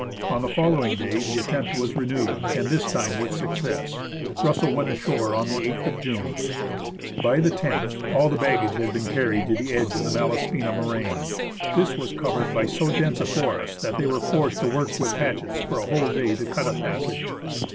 On the following day the attempt was renewed, and this time with success. Russell went on shore on the 8th of June. By the loth all the baggage had been carried to the edge of the Malaspina moraine. This was covered by so dense a forest that they were forced to work with hatchets for a whole day to cut a passage.